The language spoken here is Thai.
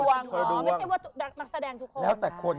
อ่อมันไม่ใช่ว่าหนักแสดงทุกคน